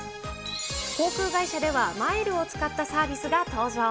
航空会社では、マイルを使ったサービスが登場。